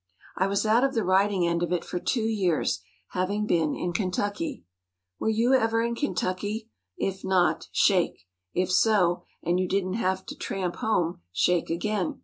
I was out of the writing end of it for two years— having been in Kentucky. Were you ever in Ken¬ tucky? If not, shake. If so, and you didn't have to tramp home, shake again.